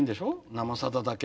「生さだ」だけ。